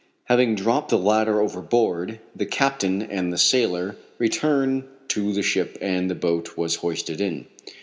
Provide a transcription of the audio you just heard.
Having dropped the latter overboard again, the captain and the sailor returned to the ship and the boat was hoisted in.